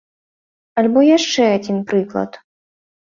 Альбо яшчэ адзін прыклад.